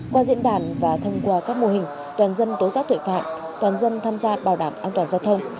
qua diễn đàn và thông qua các mô hình toàn dân tố giác tội phạm toàn dân tham gia bảo đảm an toàn giao thông